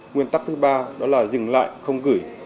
nguyên tắc thứ ba đó là dừng lại không gửi